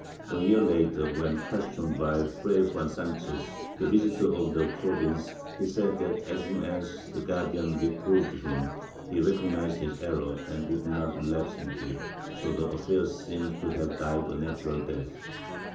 A year later, when questioned by Fray Juan Sanchez, the visitor of the Province, he said that, as soon as the Guardian reproved him, he recognized his error and would not relapse into it— so the affair seemed to have died a natural death.